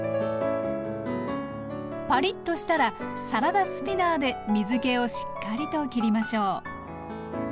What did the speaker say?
パリッとしたらサラダスピナーで水けをしっかりと切りましょう。